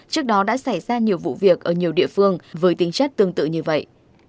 trước đó đã xảy ra nhiều vụ việc ở nhiều địa phương với tính chất tương tự như vậy